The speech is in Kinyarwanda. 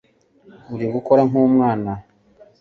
uri gukora nk'umwana